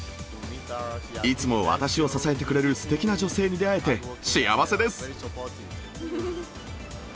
いつも私を支えてくれるすてきな女性に出会えて幸せです。